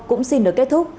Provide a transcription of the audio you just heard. cũng xin được kết thúc